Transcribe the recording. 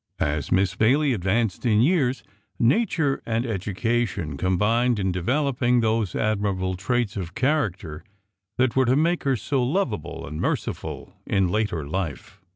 As Miss Bayley advanced in years, nature and education combined in developing those admirable traits of character that were to make her so lovable and merciful in later life.